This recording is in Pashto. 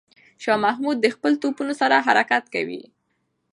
شاه محمود د خپلو توپونو سره حرکت کوي.